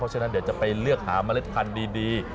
ฉะนั้นเดี๋ยวจะไปเลือกหาเมล็ดพันธุ์ดี